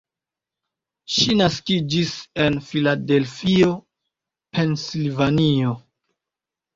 Ŝi naskiĝis en Filadelfio, Pensilvanio.